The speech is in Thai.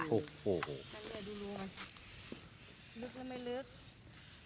ลึกแล้วไม่ลึก